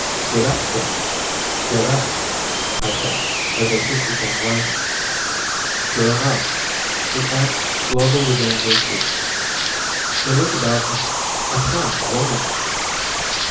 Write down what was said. "Get up, friends ... get up," I thought, as I pictured them rising. Sure enough ... the ants slowly regained their feet. They looked about in apparent bewilderment.